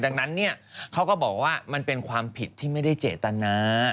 ดังนั้นเนี่ยเขาก็บอกว่ามันเป็นความผิดที่ไม่ได้เจตนา